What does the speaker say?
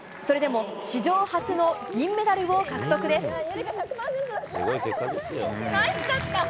それでも史上初の銀メダルを獲得です。